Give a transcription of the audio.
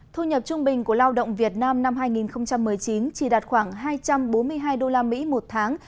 thu nhập trung bình của lao động việt nam năm hai nghìn một mươi chín chỉ đạt khoảng hai trăm bốn mươi hai usd một tháng